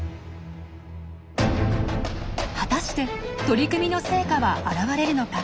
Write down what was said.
果たして取り組みの成果は現れるのか？